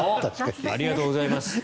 ありがとうございます。